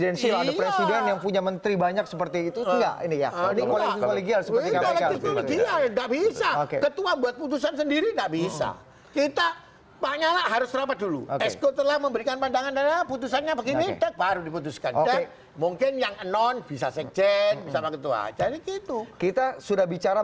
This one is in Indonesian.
biasanya kalau ketua umum